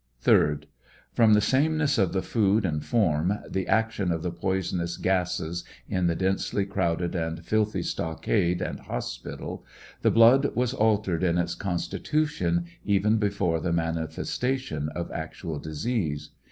3d. From the sameness of the food and form, the action of the poisonous gasses in the densely crowded and filthy stockade and hospital, the blood was altered in its constitution, even before the manifestation of actual disease.